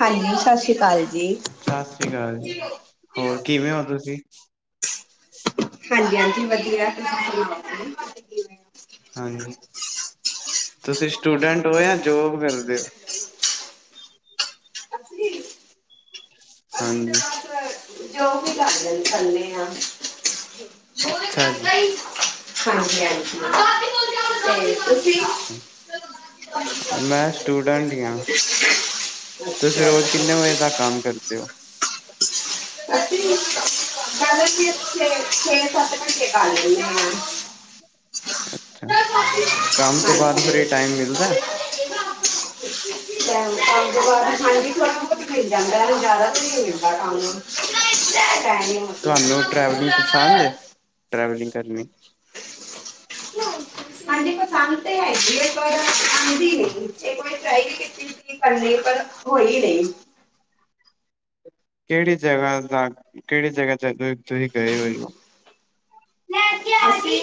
ਹਾਂਜੀ, ਸਤਿ ਸ੍ਰੀ ਅਕਾਲ ਜੀ ਸਤਿ ਸ੍ਰੀ ਅਕਾਲ ਜੀ ਹੋਰ ਕਿਵੇਂ ਹੋ ਤੁਸੀਂ ਹਾਂਜੀ- ਹਾਂਜੀ ਵਧੀਆ, ਤੁਸੀ ਸੁਣਾਓ ਜੀ ਹਾਂਜੀ, ਤੁਸੀਂ ਸਟੂਡੈਂਟ ਹੋ ਜਾਂ ਜੋਬ ਕਰਦੇ ਹੋ ਜੀ। ਅਸੀਂ ਹਾਂਜੀ ਜੋ ਵੀ ਕਰਦੇ, ਥੱਲੇ ਆ ਅੱਛਾ ਜੀ ਹਾਂਜੀ- ਹਾਂਜੀ ਤੇ ਤੁਸੀਂ ਅੱਛਾ ਮੈਂ ਸਟੂਡੈਂਟ ਹੀ ਹਾਂ ਤੁਸੀਂ ਅੱਛਾ ਰੋਜ਼ ਕਿੰਨੇ ਵਜੇ ਤੱਕ ਕੰਮ ਕਰਦੇ ਹੋ ਅਸੀ ਸਾਢੇਛੇ, ਛੇ- ਸੱਤ ਘੰਟੇ ਕਰ ਲੈਂਦੀ ਹਾਂ ਅੱਛਾ, ਕੰਮ ਤੋਂ ਬਾਅਦ ਇਹ ਟਾਈਮ ਮਿਲਦਾ ਹਾਂਜੀ ਕੰਮ ਤੋਂ ਬਾਅਦ ਹਾਂਜੀ, ਥੋੜਾ ਬਹੁਤ ਮਿਲ ਜਾਂਦਾ, ਜ਼ਿਆਦਾ ਤੇ ਨਹੀ ਮਿਲਦਾ ਕੰਮ ਕਨ [unintelligible] ਤੁਹਾਨੂੰ ਟਰੈਵਲਿੰਗ ਪਸੰਦ ਹੈ, ਟਰੈਵਲਿੰਗ ਕਰਨੀ। ਹਾਂਜੀ ਪਸੰਦ ਤਾਂ ਹੈਗੀ, ਪਰ ਆਉਂਦੀ ਨਹੀਂ, ਇਕ ਵਾਰੀ ਟਰਾਈ ਵੀ ਕੀਤੀ। ਕੀ ਕਰਨੀ ਪਰ, ਹੋਈ ਨਹੀਂ। ਕਿਹੜੀ ਜਗਾ ਤੱਕ, ਕਿਹੜੀ ਜਗਾ ਤੇ, ਤੁਸੀਹੀਂ ਗਏ ਹੋਏ ਹੋ। ਅਸੀ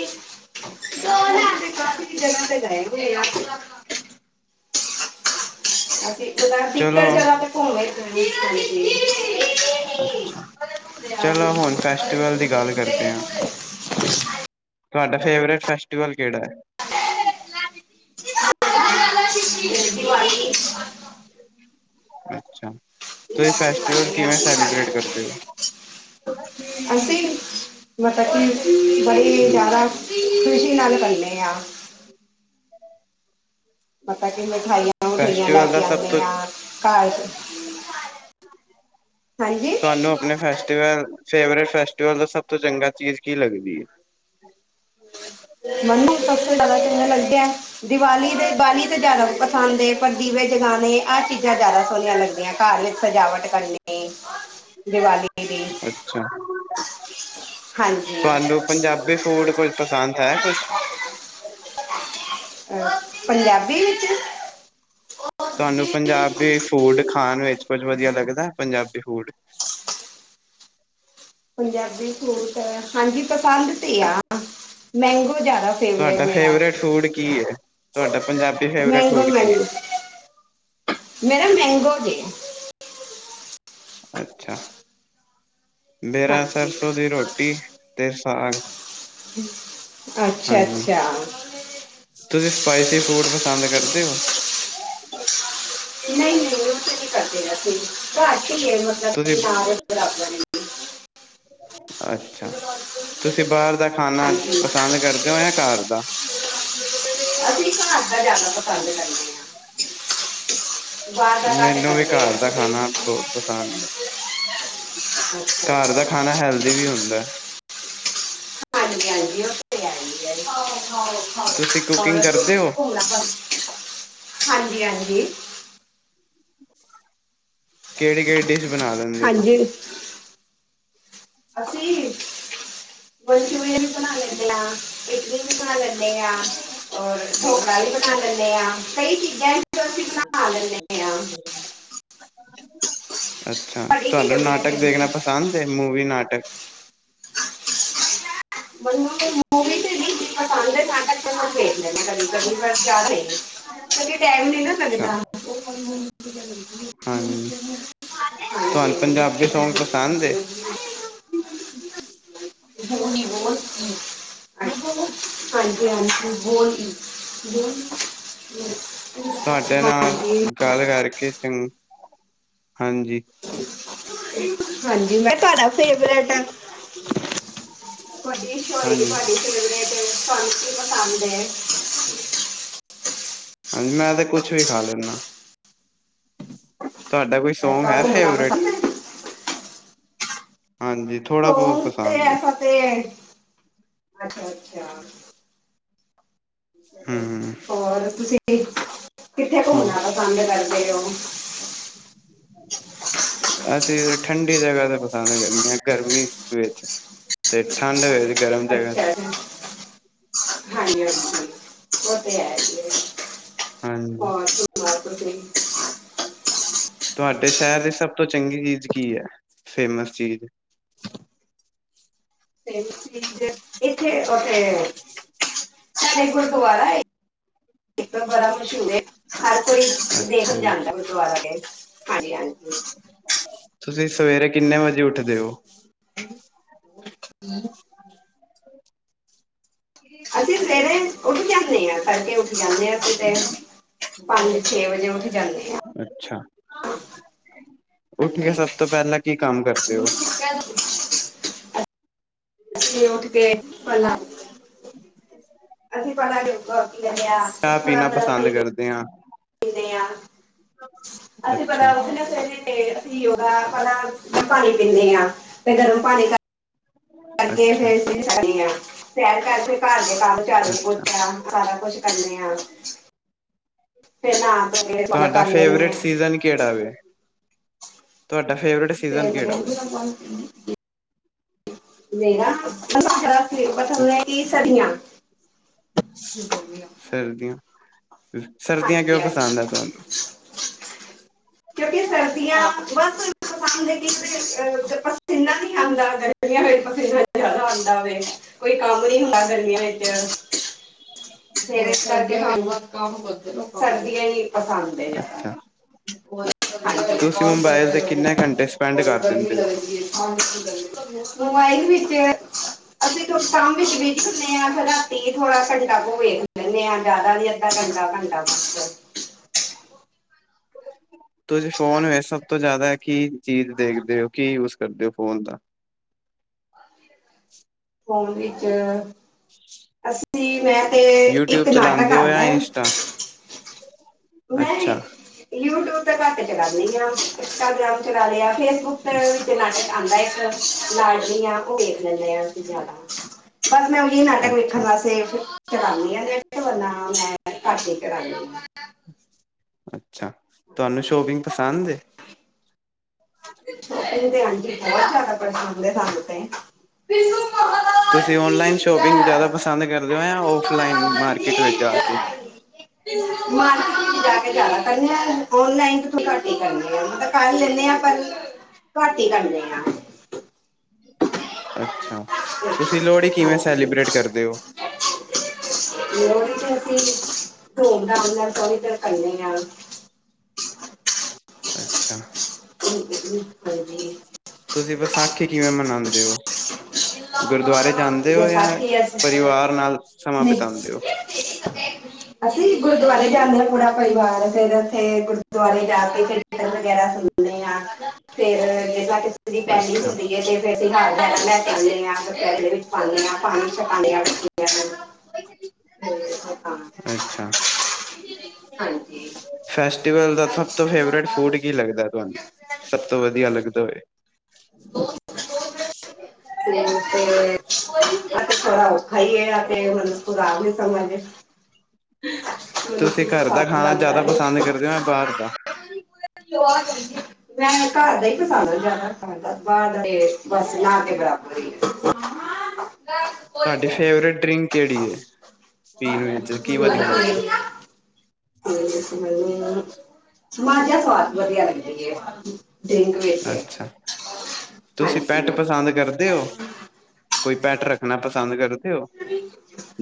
ਕਾਫ਼ੀ ਜਗਾ ਤੇ ਗਏ ਹੋਏ ਹਾਂ ਅਸੀਂ ਇਥੋ ਤੱਕ ਚਲੋ ਦਿੱਕਤ ਜਗ੍ਹਾ ਤੇ ਘੁੰਮੇ ਚਲੋ ਹੁਣ ਫੈਸਟੀਵਲ ਦੀ ਗੱਲ ਕਰਦੇ ਹਾਂ [inaudible] ਤੁਹਾਡਾ ਫੇਵਰੇਟ ਫੈਸਟੀਵਲ ਕਿਹੜਾ ਹੈ। ਅੱਛਾ, ਤੇ ਫੈਸਟੀਵਲ ਕਿਵੇਂ ਸੈਲੀਬ੍ਰੇਟ ਕਰਦੇ ਹੋ [inaudible] ਅਸੀਂ ਮਤਲਬ ਕਿ, ਬੜੀ ਜ਼ਿਆਦਾ ਖੁਸ਼ੀ ਨਾਲ ਕਰਦੇ ਹਾਂ ਪਤਾ ਕੀ, ਮਿਠਾਈਆਂ ਮਠਾਈਆਂ ਲੈ ਫੈਸਟੀਵਲ ਦਾ ਕੇ ਸਭ ਆਉਂਦੇ ਤੋਂ ਆ ਘ, ਹਾਂਜੀ ਤੁਹਾਨੂੰ ਆਪਣੇ ਫੈਸਟੀਵਲ, ਫੇਵਰੇਟ ਫੈਸਟੀਵਲ ਤੋਂ ਸਭ ਚੰਗਾ ਚੀਜ਼ ਕੀ ਲੱਗਦੀ ਹੈ ਮੈਨੂੰ ਸਭ ਤੋਂ ਜ਼ਿਆਦਾ ਚੰਗਾ ਲੱਗਦਾ, ਦੀਵਾਲੀ ਦੇ-' ਦੀਵਾਲੀ, ਤਾਂ ਜ਼ਿਆਦਾ ਪਸੰਦ ਏ, ਪਰ ਦੀਵੇ ਜਗਾਉਣੇ, ਆਹ ਚੀਜ਼ਾਂ ਜ਼ਿਆਦਾ ਸੋਹਣੀਆਂ ਲੱਗਦੀਆਂ, ਘਰ ਵਿੱਚ ਸਜਾਵਟ ਕਰਨੀ ਦੀਵਾਲੀ ਦੀ, ਅੱਛਾ, ਹਾਂਜੀ ਤੁਹਾਨੂੰ ਪੰਜਾਬੀ ਫੂਡ, ਕੁਝ ਪਸੰਦ ਹੈ ਕੁਝ ਅ, ਪੰਜਾਬੀ ਵਿੱਚ ਤੁਹਾਨੂੰ ਪੰਜਾਬੀ ਫੂਡ ਖਾਣ ਵਿੱਚ ਕੁਝ ਵਧੀਆ ਲੱਗਦਾ, ਪੰਜਾਬੀ ਫੂਡ ਪੰਜਾਬੀ ਫਰੂਟ, ਹਾਂਜੀ ਪਸੰਦ ਤੇ ਆ, ਮੈਂਗੋ ਜ਼ਿਆਦਾ ਤੁਹਾਡਾ ਫੇਵਰੇਟ ਮੇਰਾ ਫੇਵਰੇਟ ਫੂਡ ਕੀ ਹੈ, ਤੁਹਾਡਾ ਪੰਜਾਬੀ ਫੇਵਰੇਟ ਮੈਂਗੋ ਫੂਡ ਕੀ ਹੈ ਮੈਂਗੋ ਮੇਰਾ ਮੈਂਗੋ ਜੋ ਅੱਛਾ, ਮੇਰਾ ਹਾਂਜੀ ਸਰਸੋਂ ਦੀ ਰੋਟੀ ਤੇ ਸਾਗ ਅੱਛਾ, ਹਾਂਜੀ, ਅੱਛਾ। ਤੁਸੀਂ ਸਪਾਈਸੀ ਫੂਡ ਪਸੰਦ ਕਰਦੇ ਹੋ। ਨਹੀਂ- ਨਹੀਂ, ਉਹ ਤਾਂ ਨੀ ਕਰਦੇ ਅਸੀ, ਘਰ ਹੀ ਹੈ ਮਤਲਬ ਤੁਸੀਂ ਬਰਾ ਅੱਛਾ, ਤੁਸੀਂ ਬਾਹਰ ਦਾ ਖਾਣਾ ਹਾਂਜੀ ਪਸੰਦ ਕਰਦੇ ਹੋ ਜਾਂ ਘਰ ਦਾ। ਅਸੀਂ ਘਰ ਦਾ ਜ਼ਿਆਦਾ ਪਸੰਦ ਕਰਦੇ ਹਾ। । ਘੱਟ ਮੈਨੂੰ ਵੀ ਕਰਦੇ ਹਾਂ ਘਰ ਦਾ ਅਸੀਂ ਤੇ ਖਾਣਾ ਬਹੁਤ' ਪਸੰਦ ਹੈ। ਅੱਛਾ ਘਰ ਦਾ ਅੱਛਾ ਖਾਣਾ 'ਹੈਲਦੀ' ਵੀ ਹੁੰਦਾ। ਹਾਂਜੀ, ਹਾਂਜੀ ਰੂੰ ਕਿਥੇ ਤੁਸੀਂ ਕੁਕਿੰਗ ਕਰਦੇ ਹੋ ਘੁੰਮਣਾ। ਹਾਂਜੀ, ਹਾਂਜੀ। ਕਿਹੜੀ - ਕਿਹੜੀ ਡਿਸ਼' ਬਣਾ ਦਿੰਦੇ ਹੋ ਹਾਂਜੀ। ਤੁਸੀਂ। ਅਸੀਂ ਵਰਚ ਵਜਨ ਕੋਣ ਆ ਲ ਤਲਾ। ਇਦਾ ਖਾਂ ਲੇਦੇ ਆਂ। ਔਰ ਡੋਗਰਾ ਵੀ ਬਣਾ ਲੈਂਦੇ ਹਾਂ, ਕਈ ਚੀਜ਼ਾਂ ਅਸੀਂ ਬਣਾ ਲੈਂਦੇ ਹਾਂ। ਅੱਛਾ ਤੁਹਾਡੀ ਕੀ ਤੁਹਾਨੂੰ ਫੇਵਰੇਟ ਹੈ 'ਨਾਟਕ' ਡਿਸ਼? ਦੇਖਣਾ ਪਸੰਦ ਹੈ, ਮੂਵੀ' ਨਾਟਕ। ਮੈਨੂੰ ਮਵੀ ਤੇ ਨੀ ਜ ਚਾਂਲੇ ਨਾਟਕ ਤਾਂ ਲ ਕ ਕਦੀ ਵਰਾਰੇ। ਕਦੇ 'ਟਾਈਮ' ਨੀ ਨਾ ਅੱਛਾ ਲੱਗਦਾ। ਹਾਂਜੀ ਤੁਹਾਨੂੰ 'ਪੰਜਾਬੀ ਸੌਂਗ' ਪਸੰਦ? । ਦੀ ਬਹੁਤ ਹ। ਹਾਂਜੀ, ਹਾਂਜੀ ਬਹੁਤ। ਹਾਂਜੀ, ਜੀ। ਕੱਲ ਕਰਕੇ 'ਚ' ਹਾਂਜੀ। ਹਾਂਜੀ, ਮੈਂ ਤੁਹਾਡਾ ਫੇਵਰੇਟ' ਆ? ਹੋਏਗੀ ਹਾਂਜੀ ਤੁ ਫੇਵਰਿਟ, ਪਸੰਦ ਏ। ਹਾਂਜੀ, ਮੈਂ ਤਾਂ ਕੁਛ ਵੀ ਖਾ ਲੈਂਦਾ। ਤੁਹਾਡਾ ਕੋਈ ਸੌਂਗ ਹੈ ਫੇਵਰਿਟ। ਹਾਂਜੀ, ਥੋੜਾ ਬਹੁਤ ' ਤੇ ਪਸੰਦ' ਹੈ। ਐਸਾ ਤੇ ਅੱਛਾ, ਅੱਛਾ। ਹਮ ਹੋਰ ਤੁਸੀਂ ਕਿੱਥੇ ਹੋਰ ਘੁੰਮਣਾ ' ਪਸੰਦ 'ਕਰਦੇ ਹੋ। ਅਸੀਂ ਠੰਡੀ ਜਗ੍ਹਾ ਤੇ ' ਪਸੰਦ' ਕਰਦੇ ਹਾਂ, ਗਰਮੀ ਵਿੱਚ ਤੇ ਠਾਂਡ ਵੇ ਅੱਛਾ। ਹਾਂਜੀ, ਹਾਂਜੀ ਉਹ ਤੇ ਹੈ ਜੀ ਹਾਂਜੀ ਹੋਰ। ਬ ਤੁਹਾਡੇ 'ਸ਼ਹਿਰ' ਦੀ ਸਭ ਤੋਂ ਚੰਗੀ ਚੀਜ਼ ਕੀ ਹੈ? ਫ਼ੇਮਸ ਚੀਜ਼ ਤੇ ਤੁਂ ਇੱਥੇ ਉੱਥੇ । ਸਾਰੇ ' ਗੁਰਦੁਆਰਾ' ਇੱਕ ਬੜਾ ਮਸ਼ਹੂਰ ਹੈ। ਹਰ ਤਈ ਅੱਛਾ ਦੇਖਣ ਜੀ ਜਾਂਦਾ ਗੁਰਦੁਆਰਾਂ' ਦੇ ਹਾਂਜੀ, ਹਾਂਜੀ। ਤੁਸੀਂ ਸਵੇਰੇ ਕਿੰਨੇ ਵਜੇ ਉੱਠਦੇ ਹੋ? ਹ। ਅਸੀਂ ਸਵੇਰੇ ਉੱਠ ਜਾਂਦੇ ਹਾਂ, ਕਰਕੇ ਉੱਠ ਜਾਂਦੇ ਹਾਂ ਕਿਤੇ। ਪੰਜ - ਛੇ ਵਜੇਂ ਉੱਠ ਜਾਂਦੇ ਆਂ। ਅੱਛਾ, ਉੱਠ ਕੇ ਸਭ ਤੋਂ ਪਹਿਲਾਂ ਕੀ 'ਕੰਮ' ਕਰਦੇ ਹੋ। ।ੀ ਉਠ ਕੇ ਪੱਲ [unintelligible] [unintelligible] 'ਚਾਹ' ਪੀਣਾ ਪਸੰਦ ਕਰਦੇ ਹਾਂ। ਕਰਦੇ ਆ ਅਸੀਂ ਅੱਛਾ ਪਤਾ ਉਹਦੇ ਨਾ ਕਹਿੰਦੇ। ਕੀ ਉਹ ਹੈ ਆਪਾਂ ਪਾਣੀ ਪੀਂਦੇ ਹਾਂ ਫਿਰ ਗਰਮ ਪਾਣੀ ਕਰ [unintelligible] ਕਰਕੇ ਅੱਛਾ ਫਿਰ 'ਸੈਰ' ਕਰਕੇ। [unintelligible] ਘਰ ਦੇ ਕੰਮ ਝਾੜੂ - ਅੱਛਾ ਪੋਚਾ ਆ ਸਾਰਾ ਕੁੱਛ ਕਰਦੇ ਆਂ। ਫ ਨਾਂਹ - ਧੋ ਤੁਹਾਡਾ ਕਰ ਲੈਂਦੇ ਫੇਵਰੇਟ ਆਂ [unintelligible] ਸੀਜ਼ਨ ਕਿਹੜਾ ਵੇ, ਤੁਹਾਡਾ ਫੇਵਰੇਟ ਸੀਜ਼ਨ ਕਿਹੜਾ ਵੇ। ਵਨ ਕੇ ਜੀ। ਨੇਹਾ ਅੱਛਾ ਕਲਿਪ ਥੱਲੇ ਨੀ ਸਦੀਯਾ ਆਂ। ਕੀ ਹੇ ਗਿਆ। ਸਰਦੀ, ਸਰਦੀਆਂ ਕਿਉਂ ਹਾਂਜੀ ਪਸੰਦ ਆ ਤੁਹਾਨੂੰ? ਕਿਉਂਕਿ ਸਰਦੀਆਂ ਬਸ ਠੰਡ ਦੇ ਵਿੱਚ ਪਸੀਨਾ ਨੀ ਆਉਂਦਾ ਵੇ, ਗਰਮੀਆਂ ਵਿਚ ਪਸੀਨਾ ਜ਼ਿਆਦਾ ਆਉਂਦਾ ਵੇ। ਕੋਈ ਕੰਮ ਨੀ ਹੁੰਦਾ ਗਰਮੀਆਂ ਵਿੱਚ। ਫੇਰ ਇਸ ਕਰਕੇ ਸਾਨੂ ਸਰਦੀਆਂ ਹੀ ਪਸੰਦ ਜਿਆਦਾ। ਅੱਛਾ ਵਟਸਐਪ ਤੁਸੀਂ ਕੰਮ ਮੋਬਾਇਲ ਕਰਦੇ ਤੇ ਰਹੇ, ਕਿੰਨੇ ਘੰਟੇ ਸਪੈਂਡ ਬਹੁਤ ਕਰ ਗਰਮੀ ਦਿੰਦੇ ਹੋ ਲੱਗਦੀ ਐ। ਮੇਬਾਈਲ ਵਿੱਚ ਐ। ਅਸੀਂ ਧੁੱਪ- ਛਾ ਵਿੱਚ ਵੀ ਕਰਨੇ ਆ, ਰਾਤੀ ਥੋੜ੍ਹਾ ਘੰਟਾ ਕੇ ਵੇਖਦੇ ਹਾਂ ਜ਼ਿਆਦਾ ਮੈਂ ਘੰਟਾ-ਘੰਟਾ ਬਸ। ਤੁਸੀ ਫੋਨ ਵਿਚ ਸਭ ਤੋਂ ਜ਼ਿਆਦਾ ਕੀ ਚੀਜ਼ ਦੇਖਦੇ ਹੋ, ਕੀ ਯੂਜ ਕਰਦੇ ਹੋ ਫੋਨ ਦਾ। [unintelligible] ਫੋਨ ਵਿੱਚ [unintelligible] ਅਸੀਂ ਮੈਂ ਤੇ ਯੂਟਿਊਬ ਇੱਕ ਨਾਟਕ ਚਲਾਉਂਦੇ ਹੋ ਜਾਂ ਆਉਂਦਾ। ਇੰਸਟਾ ਮੈਂ ਵੀ, ਅੱਛਾ ਯੂਟੀਊਬ ਘੱਟ ਚਲਾਣੀ ਆਂ। ਇੰਸਟਾਗਰਾਮ ਚਲਾ ਲਿਆ ਫੇਸਬੁੱਕ ਤੇ ਨਾਟਕ ਆਉਂਦਾ ਇੱਕ। ਲਾਡਲੀਆਂ ਉਹ ਵੇਖ ਲੈਂਦੇ ਆ ਅਸੀ ਜ਼ਿਆਦਾ। ਬਸ ਮੈਂ ਉਹੀ ਨਾਟਕ ਵੇਖਣ ਅੱਛਾ ਵਾਸਤੇ ਫੇਰ ਕਰਾਣੀ ਆਂ, ਗੇਟ ਵਰਣਾ ਮੈਂ ਘੱਟ ਕਰਾਣੀ ਆਂ। ਅੱਛਾ, ਤੁਹਾਨੂੰ ਸ਼ੋਪਿੰਗ ਪਸੰਦ ਐ। ਕੱਦੂ ਭੈਨ ਜੀ ਬਹੁਤ ਜ਼ਿਆਦਾ ਪ੍ਰਸ਼ਦ ਹੋ ਸਾਨੂੰ ਤੇ। ਮਹਾਰਾਜ ਤੁਸੀਂ ਕੀ ਓਨਲਾਈਨ ਸ਼ੋਪਿੰਗ ਜੈ ਜ਼ਿਆਦਾ ਪਸੰਦ ਕਰਦੇ ਹੋ, ਜਾਂ ਔਫਲਾਈਨ ਮਾਰਕੀਟ ਵਿੱਚ ਜਾਂ ਕੇ? [unintelligible] ਮਾਰਕੀਟ ਵਿੱਚ ਜਾ ਕੇ ਜ਼ਿਆਦਾ ਕਰਨ ਆ, ਆਨਲਾਈਨ ਘੱਟ ਹੀ ਕਰਨੇ ਆ, ਮਤਲਬ ਕਰ ਲੈਂਦੇ ਆ ਪਰ। ਘਟ ਹੀ, ਕਰਨੇ ਆਂ। ਅੱਛਾ, ਤੁਸੀਂ ਲੋਹੜੀ ਕਿਵੇਂ ਹਾਂਜੀ ਸੈਲੀਬ੍ਰੇਟ ਕਰਦੇ ਹੋ? ਲੋੜੀ ਤਾ, ਅਸੀਂ ਧੂਮ ਧਾਮ ਨਾਲ ਸਾਰੇ ਜਣ ਕਰਨੇ ਆ। ਅੱਛਾ। ਹਾਂਜੀ। ਤੁਸੀਂ ਵਸਾਖੀ ਕਿਵੇਂ ਮਨਾਉਂਦੇ ਹੋ? ਗੁਰਦੁਆਰੇ ਜਾਂਦੇ ਹੇ, ਯਾਂ ਵਿਸਾਖੀ ਅਸੀਂ ਪਰਿਵਾਰ ਨਾਲ ਸਮਾਂ ਨਹੀਂ ਬਿਤਾਉਂਦੇ ਹੋ? ਅਸੀਂ ਗੁਰਦੁਆਰੇ ਜਾਂਨੇ ਹਾਂ, ਪੂਰਾ ਪਰਿਵਾਰ ਫੇਰ ਤੇ ਗੁਰਦੁਆਰੇ ਜਾ ਕੇ ਕੀਰਤਨ ਵਗੇਰਾ ਸੁਣਦੇ ਆਂ ਫੇਰ ਜਾ ਜੀ ਪਹਿਲੀ ਅੱਛਾ ਹੁੰਦੀ ਹੈ, ਤੇ ਫੇਰ ਹਾਰ ਜਾਨੇ। ਪਾਂਦੇ ਹਾਂ, ਪਪੈਲੇ ਵਿੱਚ ਪਾਉਂਦੇ ਹਾਂ, ਪਾਣੀ ਚ ਪਾਉਂਦੇ ਹਾਂ। ਹੂੰ। ਤੇਨੂੰ ਤਾ। ਅੱਛਾ। ਹਾਂਜੀ ਫੈਸਟੀਵਲ ਦਾ ਸਭ ਤੋਂ ਫੇਵਰੇਟ ਫੂਡ ਕੀ ਲੱਗਦਾ ਆਂ ਤੁਹਾਨੂੰ? ਸਭ ਤੋਂ ਵਧੀਆ ਲੱਗਦਾ ਵੇ। ਹੂੰ, ਤੇ ਹੈਗਾ ਥੋੜਾ ਔਖਾ ਹੀ ਹੈ, ਅਤੇ ਬੁਰਾ ਨਾ ਸਮਝ। ਮੈਨੂੰ ਤੁਸੀਂ ਕੀ ਘਰ ਦਾ ਪਸੰਦ ਖਾਣਾ ਆਉਂਦਾ ਹੈ ਜ਼ਿਆਦਾ ਪਸੰਦ ਕਰਦੇ ਹੋ, ਯਾ ਬਾਹਰ ਦਾ। ਜੁਆਕ ਦੇਖ। ਮੈਂ ਘਰ ਦਾ ਹੀ ਪਸੰਦ ਆ, ਜ਼ਿਆਦਾ ਪਸੰਦ ਬਾਹਰ ਦਾ ਬਸ ਨਾ ਤੇ ਬਰਾਬਰ ਹੀ ਆ। ਨਾਂ। ਤੁਹਾਡੀ ਫੇਵਰੇਟ ਡਰਿੰਕ ਕਿਹੜੀ ਐ, ਪੀਣ ਵਿਚ ਕੀ ਵਧੀਆ ਲੱਗਦਾ? ਸਮਾਜ ਸਵਾਦ ਵਦੀਆ ਲ ਅੱਛਾ ਤੁਸੀਂ ਹਾਂਜੀ ਪੈਂਟ ਪਸੰਦ ਕਰਦੇ ਹੋ। ਕੋਈ ਪੈਟ ਰੱਖਣਾ ਪਸੰਦ ਕਰਦੇ ਹੋ?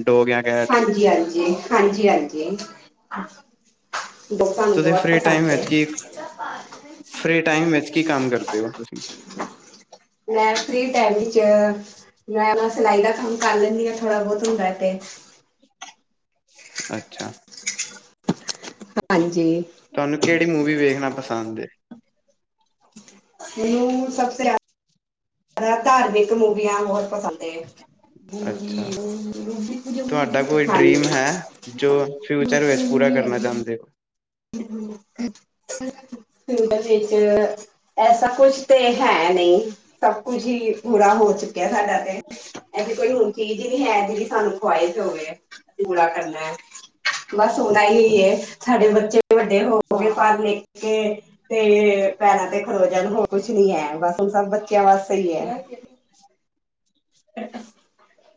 ਡੋਗ ਜਾਂ ਕੈਟ? ਹਾਂਜੀ ਹਾਂਜੀ ਹਾਂਜੀ ਹਾਂਜੀ ਲੋਕਾ ਨੂੰ ਤੁਸੀਂ ਬਹੁਤ ਪਸੰਦ ਹੈ। ਫਰੀ ਟਾਈਮ ਵਿੱਚ ਕੀ ਕੰਮ ਕਰਦੇ ਹੋ ਤੁਸੀਂ ਮੈ ਫਰੀ ਟਾਈਮ ਚ ਮੈਂ ਆਪ ਸਿਲਾਈ ਦਾ ਕੰਮ ਕਰ ਲੈਂਦੀ ਆਾਂ ਥੋੜਾ ਬਹੁਤ ਹੁੰਦਾ ਤੇ ਅੱਛਾ ਹਾਂਜੀ ਤੁਹਾਨੂੰ ਕਿਹੜੀ ਮੂਵੀ ਵੇਖਣਾ ਪਸੰਦ ਹੈ। ਨੂੰ ਸਭ ਸੇ ਧਾਰਮਿਕ ਮੂਵੀਆਂ ਬਹੁਤ ਪਸੰਦ ਅੱਛਾ, ਹਾਂਜੀ ਲੋਕ ਤੁਹਾਡਾ ਕੋਈ ਡਰੀਮ ਹੈ? ਜੋ ਫਿਊਚਰ ਵਿੱਚ ਨੂੰ ਪੂਰਾ ਵੀ ਕਰਨਾ ਆਗੀ ਚਾਹੁੰਦੇ ਹੋ? ਵਿੱਚ ਐਸਾ ਕੁਛ ਤੇ ਹੈ ਨਹੀਂ ਸਭ ਕੁਛ ਹੀ ਬੁਰਾ ਹੋ ਚੁੱਕਿਆ ਸਾਡਾ ਤੇ ਐਸੀ ਕੋਈ ਚੀਜ਼ ਵੀ ਹੈ ਜਿਹੜੀ ਸਾਨੂੰ ਖਵਾਹਿਸ਼ ਹੋਵੇਂ ਚੂਲਾ ਕਰਨਾ ਹੈ। ਬਸ ਹੁਨ ਇਹ ਹੀ ਹੈ ਸਾਡੇ ਬੱਚੇ ਵੱਡੇ ਹੋ ਕੇ ਪੜ੍ਹ ਲਿਖ ਕੇ ਤੇ ਪੈਰਾਂ ਤੇ ਖਲੋ ਜਾਣ ਹੋਰ ਕੁਛ ਨੀ ਹੈ ਬਸ ਹੁਣ ਸਭ ਬੱਚਿਆਂ ਵਾਸਤੇ ਸਹੀ ਹੈ।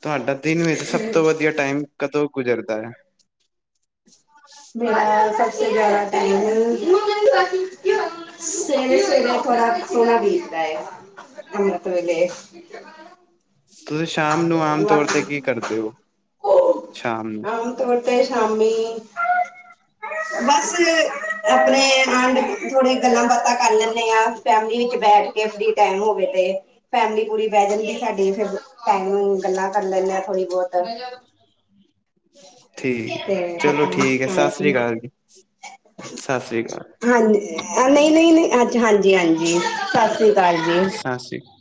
ਤੁਹਾਡਾ ਦਿਨ ਵਿੱਚ ਸਭ ਤੋਂ ਵਧੀਆ ਟਾਈਮ ਕਦੋਂ ਗੁਜ਼ਰਦਾ ਹੈ। ਮੇਰਾ ਸਭ ਜ਼ਿਆਦਾ ਟਾਈਮ [unintelligible] ਤੁਸੀਂ ਸ਼ਾਮ ਨੂੰ ਆਮ ਤੌਰ ਤੇ ਬਾਕੀ ਕੀ ਕਰਦੇ ਹੋ ਸ਼ਾਮ ਨੂੰ ਤੋ ਤੇ ਸ਼ਾਮੀ [inaudible] ਬਸ ਆਪਣੇ ਨਾਲ ਥੋੜੀ ਗੱਲਾਂ ਬਾਤਾਂ ਕਰ ਲੈਂਦੇ ਹਾਂ ਫੈਮਲੀ ਵਿੱਚ ਬੈਠ ਕੇ ਫਰੀ ਟਾਈਮ ਹੋਵੇ ਤੇ ਫੈਮਿਲੀ ਪੂਰੀ ਬਹਿ ਜਾਣਗੇ ਸਾਡੀ ਫੇਰ ਟਾਈਮ ਗੱਲਾਂ ਕਰ ਲੈਂਦੇ ਥੋੜੀ ਬਹੁਤ ਠੀਕ ਤੇ ਚਲੋ ਠੀਕ ਹੈ ਸਤਿ ਸ੍ਰੀ ਹਾਂਜੀ ਅਕਾਲ ਜੀ ਸਤਿ ਸ੍ਰੀ ਅਕਾਲ ਹਾਂਜੀ ਨਹੀਂ ਨਹੀਂ ਨਹੀਂ ਅੱਜ ਹਾਂਜੀ ਹਾਂਜੀ ਸਤਿ ਸ਼੍ਰੀ ਅਕਾਲ ਜੀ ਸਤਿ ਸ਼੍ਰ